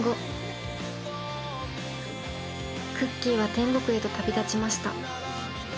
［クッキーは天国へと旅立ちました］